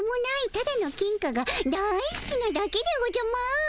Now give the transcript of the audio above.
ただの金貨がだいすきなだけでおじゃマーン。